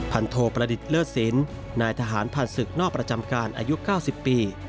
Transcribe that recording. โทประดิษฐ์เลิศศิลป์นายทหารผ่านศึกนอกประจำการอายุ๙๐ปี